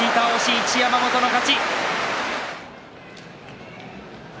一山本の勝ち。